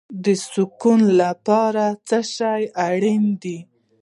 د سکون لپاره څه شی اړین دی؟